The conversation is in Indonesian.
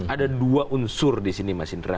ada dua unsur di sini mas indra